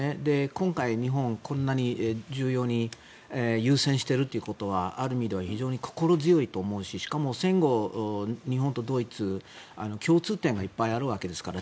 今回、日本、こんなに重要に優先しているということはある意味では非常に心強いと思うししかも戦後、日本とドイツは共通点がいっぱいあるわけですから。